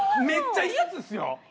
めっちゃいいやつですよ。